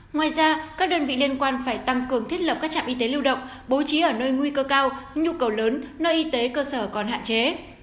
ngoài ra các đơn vị liên quan phải tăng cường thiết lập các trạm y tế lưu động bố trí ở nơi nguy cơ cao nhu cầu lớn nơi y tế cơ sở còn hạn chế